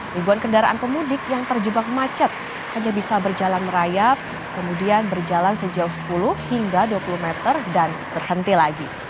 ribuan kendaraan pemudik yang terjebak macet hanya bisa berjalan merayap kemudian berjalan sejauh sepuluh hingga dua puluh meter dan berhenti lagi